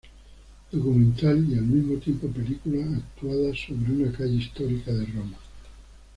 Documental y al mismo tiempo película actuada sobre una calle histórica de Roma.